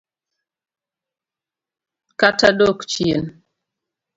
Kata dok chien.